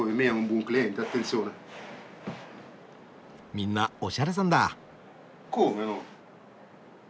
みんなおしゃれさんだ。